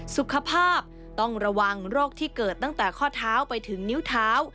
สุขภาพต้องระวังโรคที่เกิดตั้งแต่ข้อเท้าไปถึงนิ้วเท้า